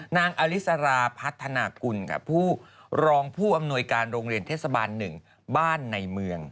อลิสาราพัฒนากุลกับผู้รองผู้อำนวยการโรงเรียนเทศบาล๑บ้านในเมือง